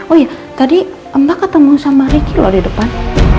oh iya tadi mbak ketemu sama ricky loh di depan